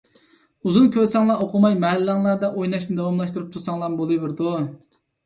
ئۇزۇن كۆرسەڭلار ئوقۇماي مەھەللەڭلەردە ئويناشنى داۋاملاشتۇرۇپ تۇرساڭلارمۇ بولۇۋېرىدۇ.